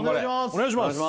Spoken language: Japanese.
お願いします